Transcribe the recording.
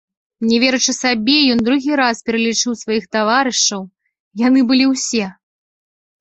Не верачы сабе, ён другі раз пералічыў сваіх таварышаў, яны былі ўсе.